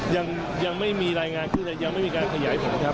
ยังไม่มีรายงานขึ้นเลยยังไม่มีการขยายผลครับ